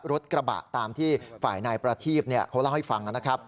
รถกระบะตามที่ฝ่ายหน่ายประทีบเขาเล่าให้ฟัง